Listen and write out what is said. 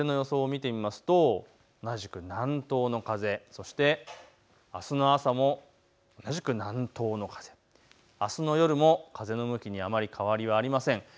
今夜の風の予想を見てみますと同じく南東の風、そしてあすの朝も同じく南東の風、あすの夜も風の向きにあまり変わりはありません。